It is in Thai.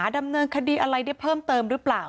ดำเนินคดีอะไรได้เพิ่มเติมหรือเปล่า